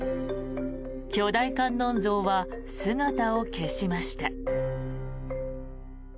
巨大観音像は姿を消しました。